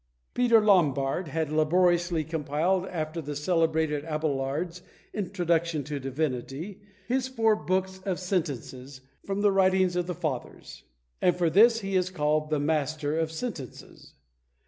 Peter Lombard had laboriously compiled, after the celebrated Abelard's "Introduction to Divinity," his four books of "Sentences," from the writings of the Fathers; and for this he is called "The Master of Sentences."